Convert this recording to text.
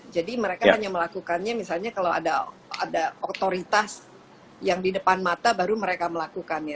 jadi mereka hanya melakukannya misalnya kalau ada ada otoritas yang di depan mata baru mereka melakukannya